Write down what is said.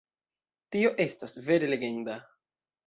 Tio estas vere legenda!